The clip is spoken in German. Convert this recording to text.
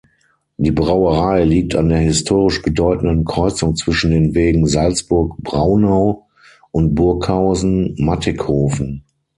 Die Brauerei liegt an der historisch bedeutenden Kreuzung zwischen den Wegen Salzburg–Braunau und Burghausen–Mattighofen.